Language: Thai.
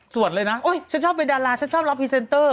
เลยนะโอ๊ยฉันชอบเป็นดาราฉันชอบรับพรีเซนเตอร์